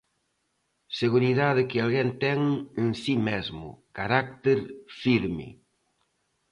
Seguridade que alguén ten en si mesmo, carácter firme.